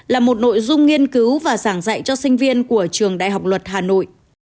là một nội dung nghiên cứu và giảng dạy cho sinh viên của trường đại học luật hà nội